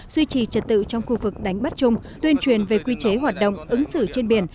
duy trì trật tự trong khu vực đánh bắt chung tuyên truyền về quy chế hoạt động ứng xử trên biển